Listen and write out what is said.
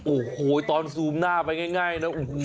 โอ้โหตอนซูมหน้าไปง่ายนะ